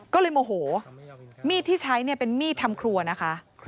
ก็เลยโมโหมีดที่ใช้เนี่ยเป็นมีดทำครัวนะคะ